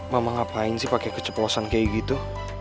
mama ngapain sih pakai keceplosan kayak gitu